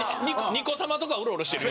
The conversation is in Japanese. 二子玉とかウロウロしてる。